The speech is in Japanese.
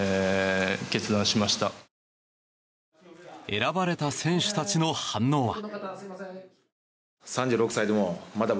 選ばれた選手たちの反応は。